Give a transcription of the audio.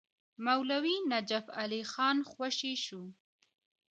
مولوي نجف علي خان خوشي شو.